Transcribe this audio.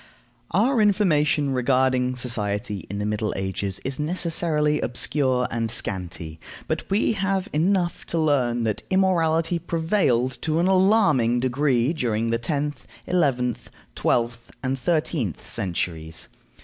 Our information regarding society in the Middle Ages is necessarily obscure and scanty, but we have enough to learn that immorality prevailed to an alarming degree during the tenth, eleventh, twelfth, and thirteenth centuries.